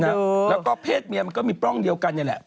แล้วก็เพศเมียมันก็มีปล้องเดียวกันนี่แหละ